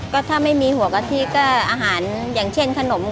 ก็ถ้าไม่มีหัวกะทิก็อาหารอย่างเช่นขนม